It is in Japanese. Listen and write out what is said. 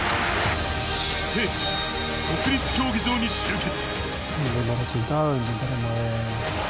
聖地・国立競技場に集結。